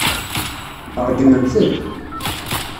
Tṛeggmemt-d!